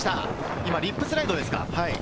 今リップスライドですか？